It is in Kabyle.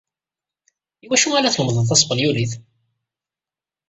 I wacu ay la tlemmdeḍ taspenyulit?